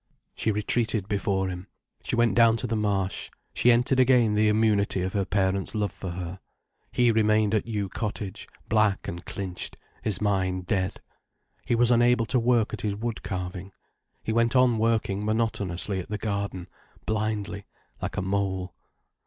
She retreated before him. She went down to the Marsh, she entered again the immunity of her parents' love for her. He remained at Yew Cottage, black and clinched, his mind dead. He was unable to work at his wood carving. He went on working monotonously at the garden, blindly, like a mole.